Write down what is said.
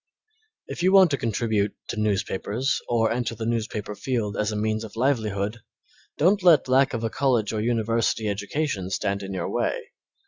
If you want to contribute to newspapers or enter the newspaper field as a means of livelihood, don't let lack of a college or university education stand in your way.